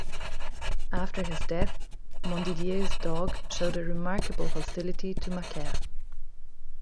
After his death, Mondidier's dog showed a remarkable hostility to Macaire.